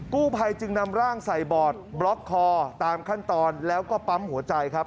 กู้ภัยจึงนำร่างใส่บอร์ดบล็อกคอตามขั้นตอนแล้วก็ปั๊มหัวใจครับ